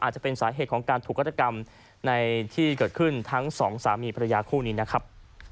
อาจจะเป็นสาเหตุของการถูกฆาตกรรมในที่เกิดขึ้นทั้งสองสามีภรรยาคู่นี้นะครับ